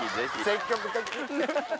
積極的。